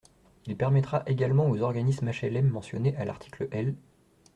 Il permettra également aux organismes HLM mentionnés à l’article L.